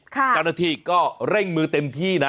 การณ์ที่ก็เร่งมือเต็มที่นะ